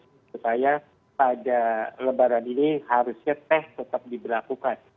menurut saya pada lebaran ini harusnya teh tetap diberlakukan